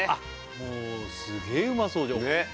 もうすげえうまそうじゃんねっ